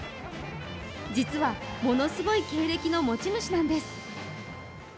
実はものすごい経歴の持ち主なんです。